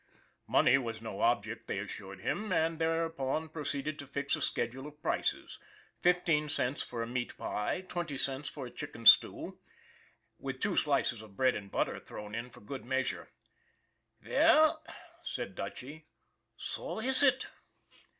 Money was no object, they assured him, and thereupon proceeded to fix a schedule of prices fifteen cents for a meat pie ; twenty cents for a chicken stew with two slices of bread and butter thrown in for good measure. " Veil/' said Dutchy, " so iss it."